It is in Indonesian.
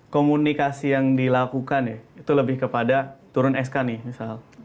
komunikasi yang dilakukan ya itu lebih kepada turun sk nih misal